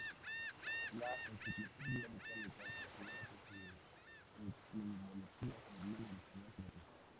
La "Encyclopaedia Britannica" considera que su etimología proviene del español "jinete".